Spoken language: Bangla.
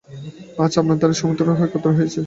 তাই আজ আপনার দ্বারে শত্রুমিত্র সকলে একত্র হইয়াছে।